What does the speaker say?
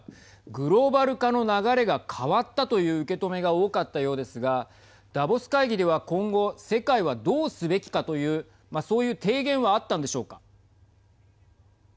グローバル化の流れが変わったという受け止めが多かったようですがダボス会議では、今後世界は、どうすべきかというそういう提言はあったんでしょうか。